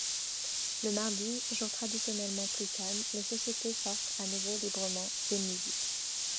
Le mardi, jour traditionnellement plus calme, les sociétés sortent à nouveau librement dès midi.